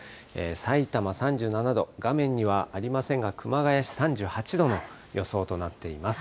さいたま３７度、画面にはありませんが、熊谷市３８度の予想となっています。